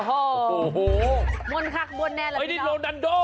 โอ้โหมนต์คักมนต์แน่แล้วพี่น้องโรนันโด